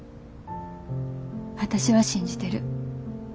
私は信じてる。